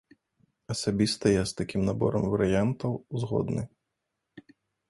Асабіста я з такім наборам варыянтаў згодны.